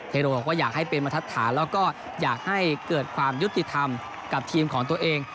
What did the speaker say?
โรบอกว่าอยากให้เป็นบรรทัดฐานแล้วก็อยากให้เกิดความยุติธรรมกับทีมของตัวเอง